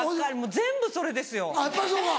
全部それです。